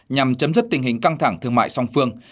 nhằm chấm dứt tình hình căng thẳng thương mại song phương